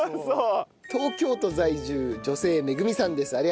東京都在住女性めぐみさんです。